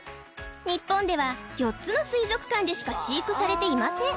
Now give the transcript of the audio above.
日本では４つの水族館でしか飼育されていません